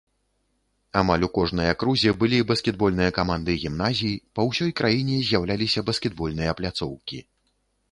Амаль у кожнай акрузе былі баскетбольныя каманды гімназій, па ўсёй краіне з'яўляліся баскетбольныя пляцоўкі.